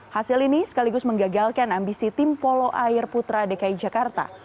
hasil ini sekaligus menggagalkan ambisi tim polo air putra dki jakarta